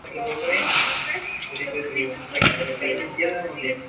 Algunas de sus obras han sido adaptadas para el teatro.